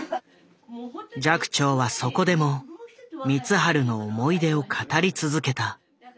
寂聴はそこでも光晴の思い出を語り続けた。